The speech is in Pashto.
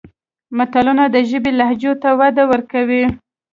متلونه د ژبې لهجو ته وده ورکوي